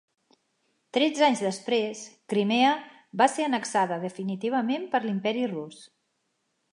Tretze anys després, Crimea va ser annexada definitivament per l'imperi Rus.